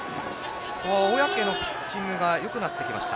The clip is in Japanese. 小宅のピッチングがよくなってきました。